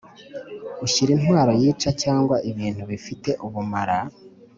ushyira intwaro yica cyangwa ibintu bifite ubumara